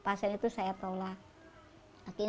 jika saya mengambil tujuan untuk datang ke rumah singgah kazakhstan